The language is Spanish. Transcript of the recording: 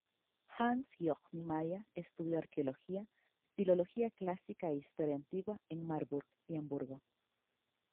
Hans Georg Niemeyer estudió Arqueología, Filología Clásica e Historia Antigua en Marburg y Hamburgo.